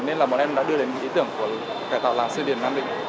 nên là bọn em đã đưa đến ý tưởng của cải tạo làng sư điển nam định